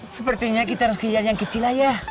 sebesarnya kita harus thighar yang kecil